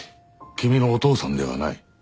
君のお父さんではない。